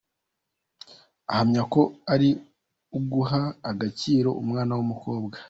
Ahamya ko ari uguha agaciro umwana w’umukobwa.